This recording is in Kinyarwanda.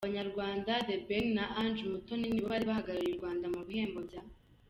Abanyarwanda The Ben na Angel Mutoni nibo bari bahagarariye u Rwanda mu bihembo bya.